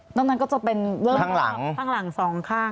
ต้นตรงนั้นก็จะเป็นทางหลังทางหลังสองข้าง